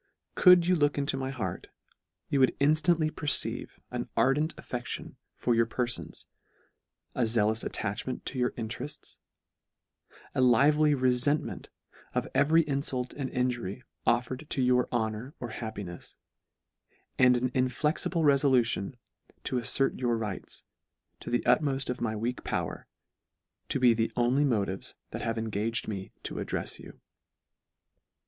Could you look into my heart, you would inftantly perceive an ardent affec tion for your perfons, a zealous attachment to your interefts, a lively refentment of e very infult and injury offered to your honour or happinefs, and an inflexible refolution to affert your rights, to the utmoft of my weak power, to be the only motives that have engaged me to addrefs you.